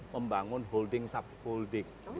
membangun holding subholding